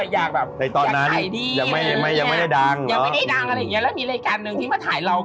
ยังไม่ได้ดังอะไรอย่างนี้แล้วมีรายการหนึ่งที่มาถ่ายเรา